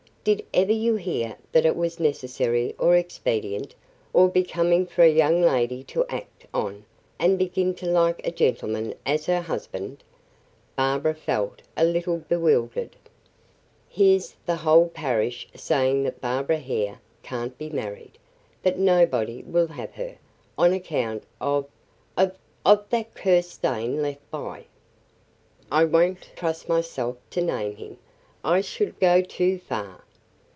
Did ever you hear that it was necessary or expedient, or becoming for a young lady to act on and begin to 'like' a gentleman as 'her husband?'" Barbara felt a little bewildered. "Here's the whole parish saying that Barbara Hare can't be married, that nobody will have her, on account of of of that cursed stain left by , I won't trust myself to name him, I should go too far.